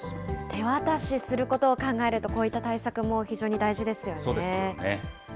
手渡しすることを考えると、こういった対策も非常に大事ですそうですよね。